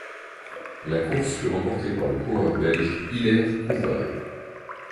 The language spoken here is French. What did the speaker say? La course fut remportée par le coureur belge Hilaire Couvreur.